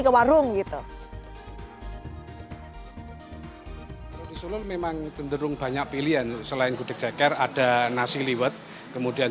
ke warung gitu hai disuruh memang cenderung banyak pilihan selain kudek ceker ada nasi liwet kemudian